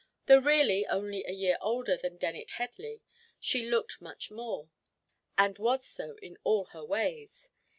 Though really only a year older than Dennet Headley, she looked much more, and was so in all her ways.